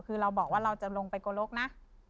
คือเราบอกว่าเราจะลงไปโกลกนะ